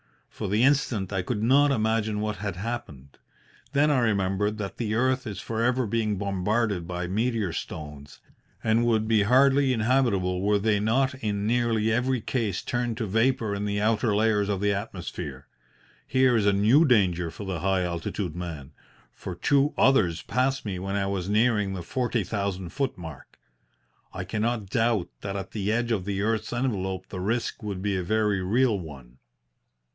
For the instant I could not imagine what had happened. Then I remembered that the earth is for ever being bombarded by meteor stones, and would be hardly inhabitable were they not in nearly every case turned to vapour in the outer layers of the atmosphere. Here is a new danger for the high altitude man, for two others passed me when I was nearing the forty thousand foot mark. I cannot doubt that at the edge of the earth's envelope the risk would be a very real one.